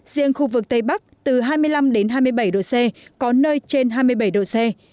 riêng khu vực tây bắc từ hai mươi năm hai mươi bảy độ c có nơi trên hai mươi bảy độ c